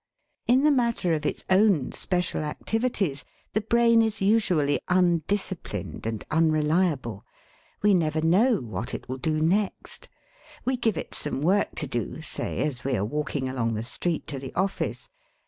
In the matter of its own special activities the brain is usually undisciplined and unreliable. We never know what it will do next. We give it some work to do, say, as we are walking along the street to the office.